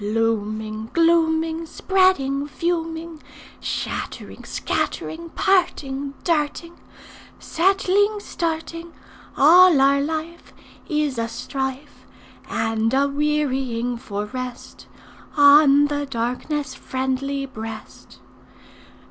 Looming, glooming, Spreading, fuming, Shattering, scattering, Parting, darting, Settling, starting, All our life Is a strife, And a wearying for rest On the darkness' friendly breast.